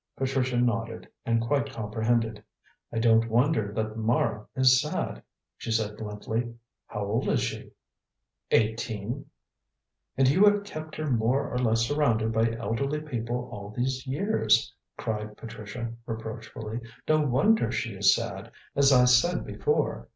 Patricia nodded, and quite comprehended. "I don't wonder that Mara is sad," she said bluntly. "How old is she?" "Eighteen!" "And you have kept her more or less surrounded by elderly people all these years," cried Patricia reproachfully. "No wonder she is sad, as I said before.